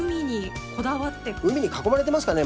海に囲まれてますからね